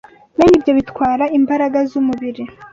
Bene ibyo bitwara imbaraga z’umubiri